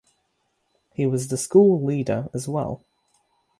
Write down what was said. He was the school leader as well.